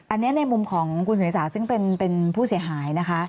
อันนี้ในมุมของคุณเศรษฐาซึ่งเป็นผู้เสียหายนะคะ